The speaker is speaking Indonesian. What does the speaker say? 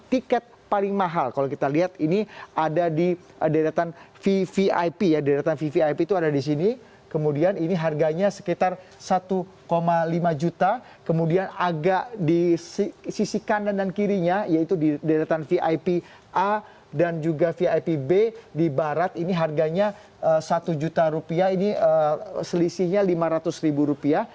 tiket paling mahal kalau kita lihat ini ada di deretan vvip ya deretan vvip itu ada di sini kemudian ini harganya sekitar satu lima juta kemudian agak di sisi kanan dan kirinya yaitu di deretan vvip a dan juga vvip b di barat ini harganya satu juta rupiah ini selisihnya lima ratus ribu rupiah